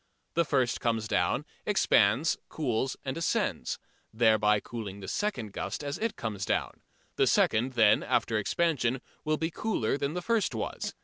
The first comes down, expands, cools and ascends, thereby cooling the second gust as it comes down. The second then, after expansion, will be cooler than the first was.